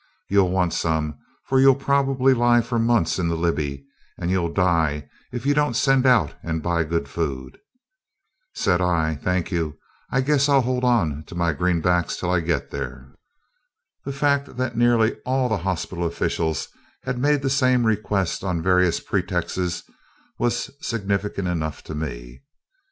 You'll want some, for you'll probably lie for months in the Libby, and you'll die if you don't send out and buy good food." Said I, "Thank you, I guess I'll hold on to my greenbacks till I get there." The fact that nearly all the hospital officials had made the same request on various pretexts was significant enough to me.